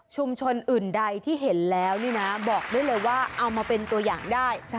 อื่นใดที่เห็นแล้วนี่นะบอกได้เลยว่าเอามาเป็นตัวอย่างได้